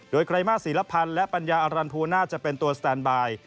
โดยไกรมาสศิลพันธ์และปัญญาอรันทูน่าจะเป็นตัวสแตนบาย